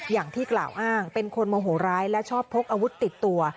อย่างที่กล่าวอ้างเป็นคนโมโหร้ายและชอบพกอาวุธติดตัว